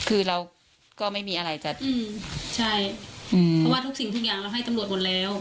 อือใช่เพราะว่าทุกสิ่งทุกอย่างเราให้ตำรวจหมดแล้ว